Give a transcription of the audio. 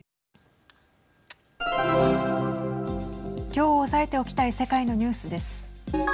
きょう押さえておきたい世界のニュースです。